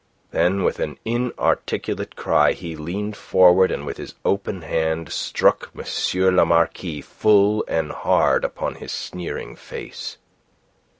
Then, with an inarticulate cry, he leaned forward, and with his open hand struck M. le Marquis full and hard upon his sneering face.